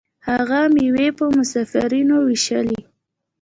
هغه میوې په مسافرینو ویشلې.